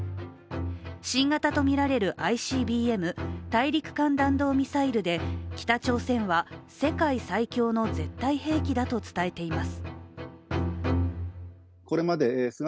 新型とみられるＩＣＢＭ＝大陸間弾道ミサイルで北朝鮮は、世界最強の絶対兵器だと伝えています。